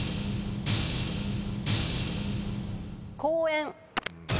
公園。